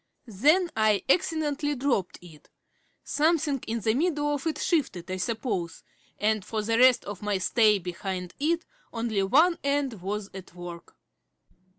Then I accidentally dropped it; something in the middle of it shifted, I suppose and for the rest of my stay behind it only one end was at work.